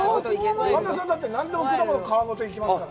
神田さん、何でも果物、皮ごと行きますから。